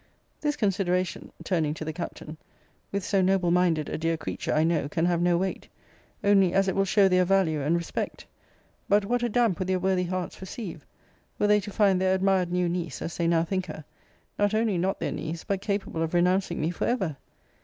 This consideration, turning to the Captain, with so noble minded a dear creature, I know, can have no weight; only as it will show their value and respect. But what a damp would their worthy hearts receive, were they to find their admired new niece, as they now think her, not only not their niece, but capable of renouncing me for ever!